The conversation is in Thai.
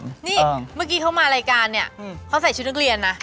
นี่เมื่อกี้เขามารายการเนี่ยเขาใส่ชุดนักเรียนนะ